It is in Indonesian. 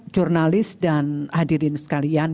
jurnalis dan hadirin sekalian